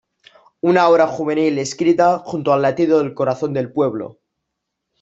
Una obra juvenil escrita junto al latido del corazón del pueblo.